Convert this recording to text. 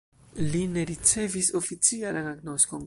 Li ne ricevis oficialan agnoskon.